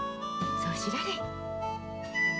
そうしられ。